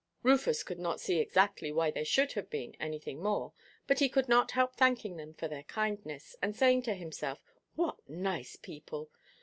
Rufus could not see exactly why there should have been anything more, but he could not help thanking them for their kindness, and saying to himself, "What nice people!